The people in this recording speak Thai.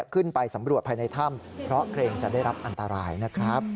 ขึ้นไปสำรวจภายในถ้ำเพราะเกรงจะได้รับอันตรายนะครับ